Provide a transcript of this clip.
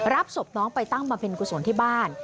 ศพน้องไปตั้งบำเพ็ญกุศลที่บ้าน